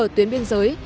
ở tuyến biên giới